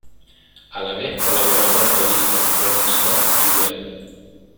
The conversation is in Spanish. A la vez colaboró con las revistas "Rolling Stone" y "Web!